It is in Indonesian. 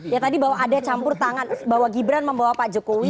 ya tadi bahwa ada campur tangan bahwa gibran membawa pak jokowi